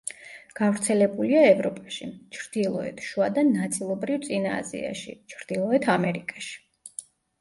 გავრცელებულია ევროპაში, ჩრდილოეთ, შუა და ნაწილობრივ წინა აზიაში, ჩრდილოეთ ამერიკაში.